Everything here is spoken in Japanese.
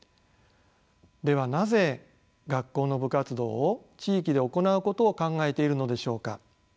ではなぜ学校の部活動を地域で行うことを考えているのでしょうか。